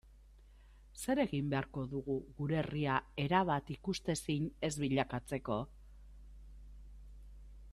Zer egin beharko dugu gure herria erabat ikusezin ez bilakatzeko?